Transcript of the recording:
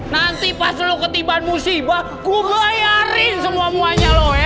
nanti pas lu ketibaan musibah gua bayarin semua muanya lu ye